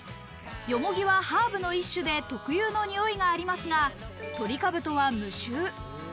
ヨモギはハーブの一種で特有のにおいがありますが、トリカブトは無臭。